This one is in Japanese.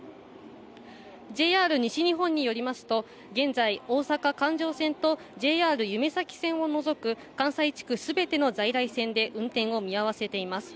ＪＲ西日本によりますと、現在、大阪環状線とＪＲゆめ咲線を除く関西地区すべての在来線で運転を見合わせています。